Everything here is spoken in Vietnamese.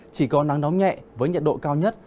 chỉ có nắng nóng nhẹ với nhiệt độ cao nhất